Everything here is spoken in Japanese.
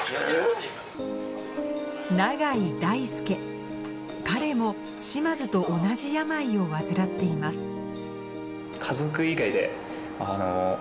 永井大育彼も嶋津と同じ病を患っています